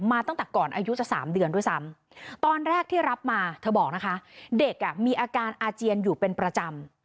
ตั้งแต่ก่อนอายุจะ๓เดือนด้วยซ้ำตอนแรกที่รับมาเธอบอกนะคะเด็กอ่ะมีอาการอาเจียนอยู่เป็นประจำ